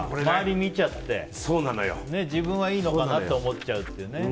周りを見ちゃって、自分はいいのかなと思っちゃうという。